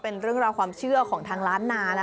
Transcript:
เป็นเรื่องราวความเชื่อของทางล้านนา